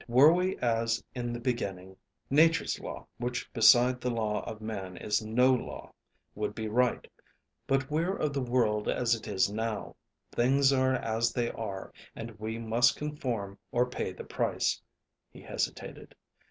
Were we as in the beginning, Nature's law, which beside the law of man is no law, would be right; but we're of the world as it is now. Things are as they are, and we must conform or pay the price." He hesitated.